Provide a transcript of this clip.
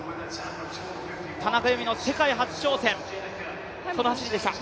田中佑美の世界初挑戦、この走りでした。